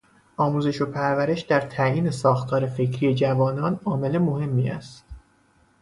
آموزش و پرورش در تعیین ساختار فکری جوانان عامل مهمی است.